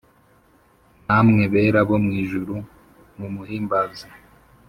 Namwe bera bo mw’ijuru mumuhimbaze